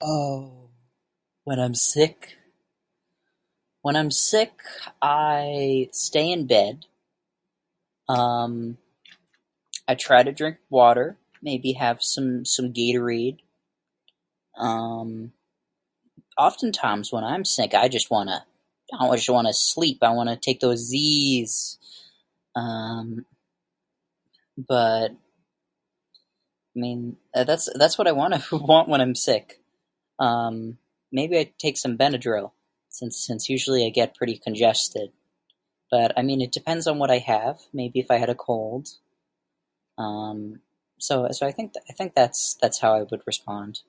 Oh, when I'm sick. When I'm sick, I stay in bed, um, I try to drink water, maybe have some, some Gatorade. Um, often times when I'm sick I just wanna, I just wanna sleep, I wanna take those Z's. Um, but main- that's that's what I want want when I'm sick. Um, maybe I'd take some Benadryl since since usually I get pretty congested. But, I mean it depends on what I have, maybe if I had a cold. Um, so, I think, I think that's how I would respond.